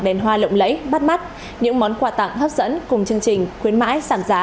đèn hoa lộng lẫy bắt mắt những món quà tặng hấp dẫn cùng chương trình khuyến mãi sản giá